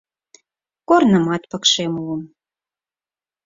Корнымат пыкше муым.